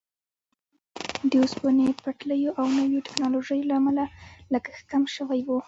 د اوسپنې پټلیو او نویو ټیکنالوژیو له امله لګښت کم شوی وو.